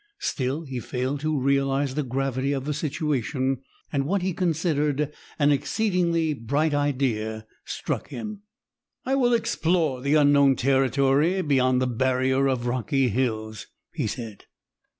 Still he failed to realize the gravity of the situation and what he considered an exceedingly bright idea struck him. "I will explore the unknown territory beyond the barrier of rocky hills," he said.